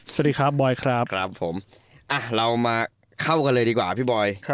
สวัสดีครับบอยครับครับผมเรามาเข้ากันเลยดีกว่าพี่บอย